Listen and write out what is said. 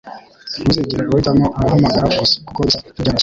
Ntuzigere uhitamo umuhamagaro gusa kuko bisa nkibyoroshye.